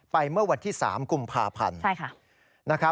เมื่อวันที่๓กุมภาพันธ์